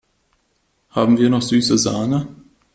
Haben wir noch süße Sahne?